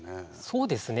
そうですね。